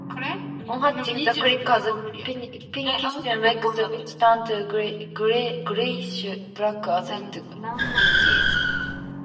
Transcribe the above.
On hatching the chick has pinkish legs, which turn to greyish-black as it ages.